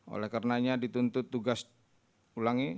olehkarenanya dituntut tugas ulangi